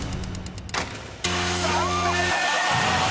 ［残念！］